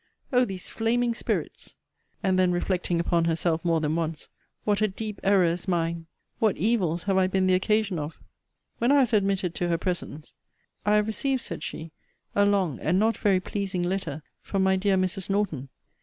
O these flaming spirits! And then reflecting upon herself more than once What a deep error is mine! What evils have I been the occasion of! When I was admitted to her presence, I have received, said she, a long and not very pleasing letter from my dear Mrs. Norton.